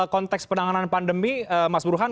konteks penanganan pandemi mas burhan